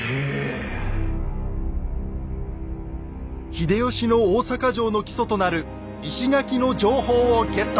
秀吉の大坂城の基礎となる石垣の情報をゲット！